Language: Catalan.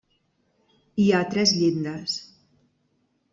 Hi ha tres llindes.